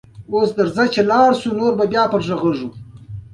د سفر نه سوغات راوړل دود دی.